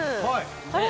あれ？